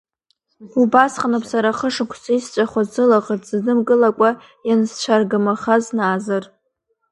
Убасҟаноуп сара хы-шықәса исҵәахуаз сылаӷырӡ сызнымкылакәа иансцәаргамахаз, Наазыр!